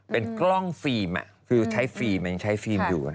เป็นกล้องฟิล์มคือใช้ฟิล์มมันยังใช้ฟิล์มอยู่